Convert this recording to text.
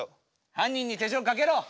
犯人に手錠かけろ！